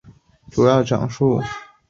随之而来的是地球的降温冰封。